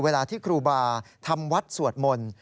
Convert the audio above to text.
เวลาที่ครูบาทำวัดสวดมนต์